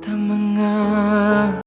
sampai jumpa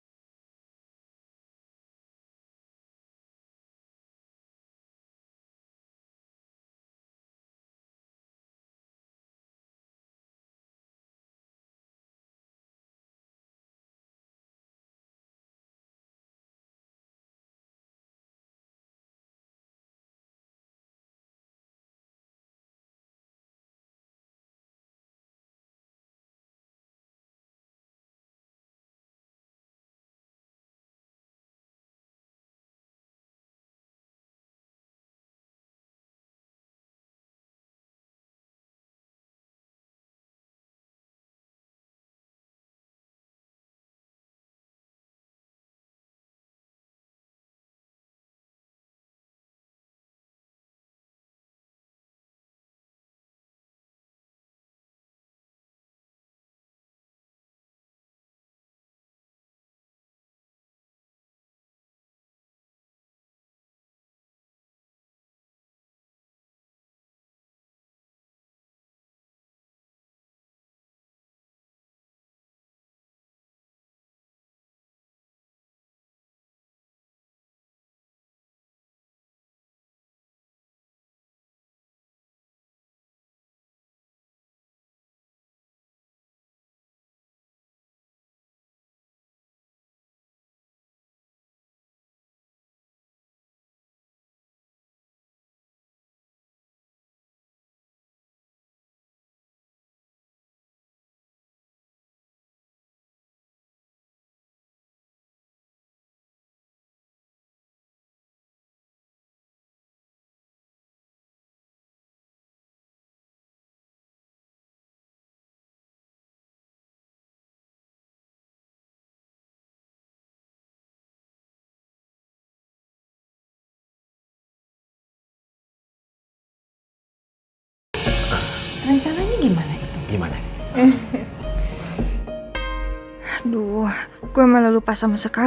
lagi